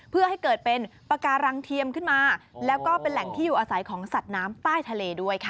เพื่อให้เกิดเป็นปากการังเทียมขึ้นมาแล้วก็เป็นแหล่งที่อยู่อาศัยของสัตว์น้ำใต้ทะเลด้วยค่ะ